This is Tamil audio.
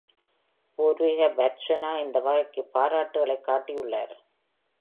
பூர்வீக Batswana இந்த வகைக்கு பாராட்டுக்களைக் காட்டியுள்ளார்.